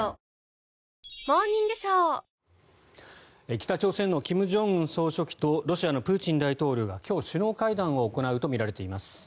北朝鮮の金正恩総書記とロシアのプーチン大統領が今日、首脳会談を行うとみられています。